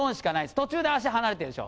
途中で足離れてるでしょ。